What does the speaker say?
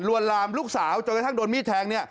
ลวรรรมลูกสาวต้องแต่ดังโมงน้ำทางเนี่ย